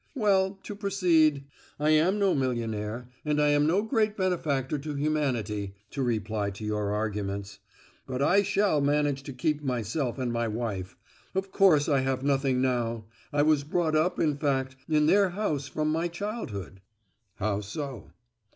Well, to proceed. I am no millionaire, and I am no great benefactor to humanity (to reply to your arguments), but I shall manage to keep myself and my wife. Of course I have nothing now; I was brought up, in fact, in their house from my childhood." "How so?"